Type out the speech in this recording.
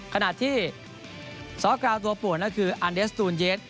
ขณะที่ซ้อกราวตัวป่วนก็คืออันเดสตูนเยส